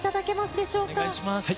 お願いします。